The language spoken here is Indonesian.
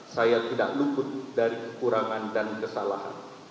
saya tidak luput dari kekurangan dan kesalahan